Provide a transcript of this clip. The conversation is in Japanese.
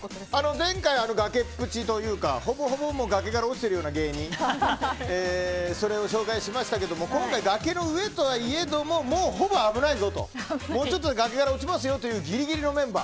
前回は崖っぷちでほぼほぼ崖から落ちてるような芸人を紹介しましたけど今回、崖の上とはいえどももうほぼ危ないぞともうちょっとで崖から落ちますよというギリギリのメンバー。